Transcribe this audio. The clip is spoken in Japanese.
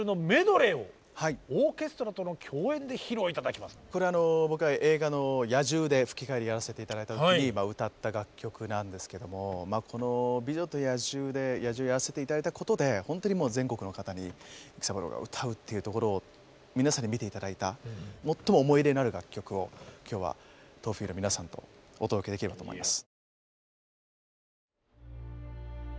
このあとはこれは僕は映画の野獣で吹き替えでやらせていただいた時に歌った楽曲なんですけどもこの「美女と野獣」で野獣をやらせていただいたことで本当にもう全国の方に育三郎が歌うっていうところを皆さんに見ていただいた最も思い入れのある楽曲を今日は東フィルの皆さんとお届けできればと思います。